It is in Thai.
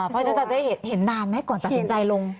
เพราะฉันจะได้เห็นนานไหมก่อนตัดสินใจลง